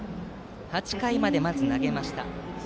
８回までまず投げました。